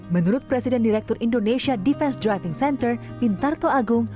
menurut presiden direktur indonesia defense driving center pintar toagung